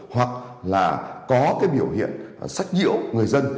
hoặc là có cái biểu hiện sách nhiễu người dân